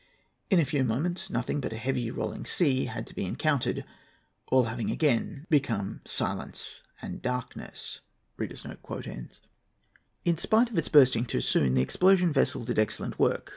In a few minutes nothing but a heavy rolling sea had to be encountered, all having again become silence and darkness." In spite of its bursting too soon, the explosion vessel did excellent work.